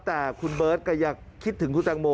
แต่คุณเบิร์ตก็ยังคิดถึงคุณแตงโม